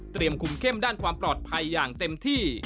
คุมเข้มด้านความปลอดภัยอย่างเต็มที่